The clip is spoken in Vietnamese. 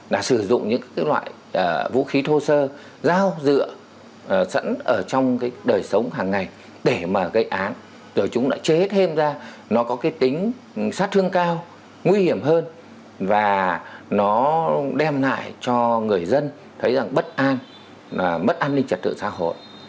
là sử dụng những cái loại vũ khí thô sơ dao dựa sẵn ở trong cái đời sống hàng ngày để mà gây án rồi chúng đã chế thêm ra nó có cái tính sát thương cao nguy hiểm hơn và nó đem lại cho người dân thấy rằng bất an mất an ninh trật tự xã hội